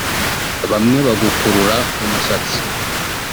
bamwe bagukurura umusatsi